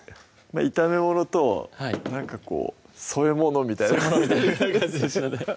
炒め物となんかこう添え物みたいな添え物みたいな感じでしたね